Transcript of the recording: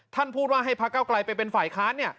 ท่านพูดว่าให้พะเก้ากลายเป็นฝ่ายค้าน